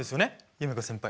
夢叶先輩。